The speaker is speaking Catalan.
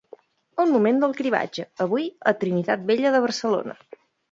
Un moment del cribratge, avui a la Trinitat Vella de Barcelona.